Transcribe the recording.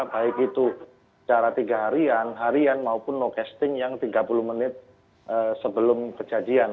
baik itu secara tiga harian harian maupun no casting yang tiga puluh menit sebelum kejadian